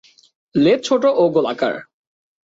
লেজ ছোট ও গোলাকার।